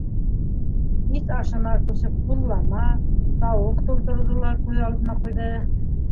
Ит ашына күсеп ҡуллама, тауыҡ тултырыуҙы ла күҙ алдына ҡуйҙы.